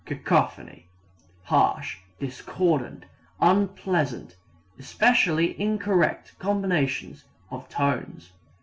Cacophony harsh, discordant, unpleasant, especially incorrect combinations of tones.